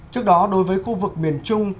trước đó đối với khu vực miền trung